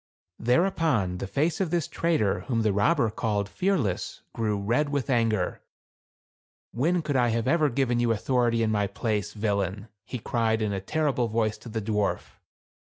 Thereupon the face of this trader whom the robber called Fearless grew red with anger. "When could I have ever given you authority in my place, villain ?" he cried in a terrible voice to the dwarf.